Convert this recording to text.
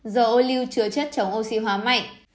dầu ô lưu chứa chất chống oxy hóa mạnh